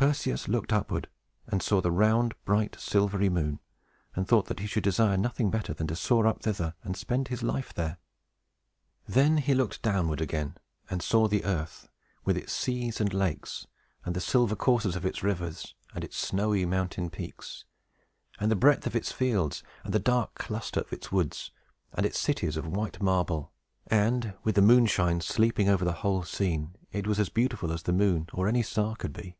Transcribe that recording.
Perseus looked upward, and saw the round, bright, silvery moon, and thought that he should desire nothing better than to soar up thither, and spend his life there. Then he looked downward again, and saw the earth, with its seas and lakes, and the silver courses of its rivers, and its snowy mountain peaks, and the breadth of its fields, and the dark cluster of its woods, and its cities of white marble; and, with the moonshine sleeping over the whole scene, it was as beautiful as the moon or any star could be.